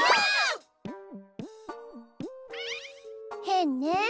へんね